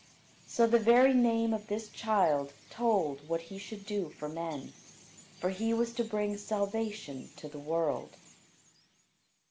So the very name of this child told what he should do for men; for he was to bring salvation to the world.